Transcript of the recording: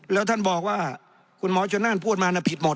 แล้วท่านบอกว่าคุณหมอชนนั่นพูดมาผิดหมด